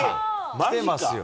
きてますよ。